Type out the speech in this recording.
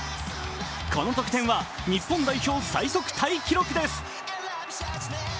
この得点は、日本代表最速タイ記録です。